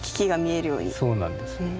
そうなんです。